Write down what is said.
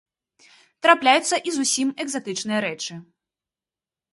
Трапляюцца і зусім экзатычныя рэчы.